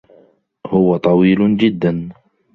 هو طويل جدّا.